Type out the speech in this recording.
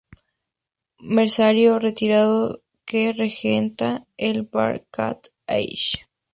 Mercenario retirado que regenta el bar Cat's Eyes.